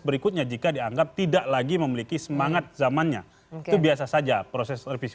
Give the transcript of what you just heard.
berikutnya jika dianggap tidak lagi memiliki semangat zamannya itu biasa saja proses revisi